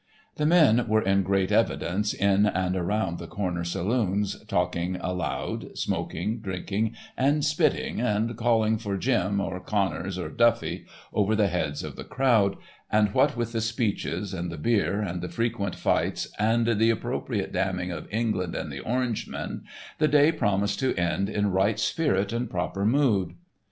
The men were in great evidence in and around the corner saloons talking aloud, smoking, drinking, and spitting, and calling for "Jim," or "Connors," or "Duffy," over the heads of the crowd, and what with the speeches, and the beer, and the frequent fights, and the appropriate damning of England and the Orangemen, the day promised to end in right spirit and proper mood.